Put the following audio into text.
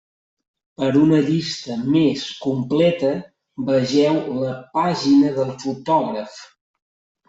Per una llista més completa, vegeu la pàgina del fotògraf.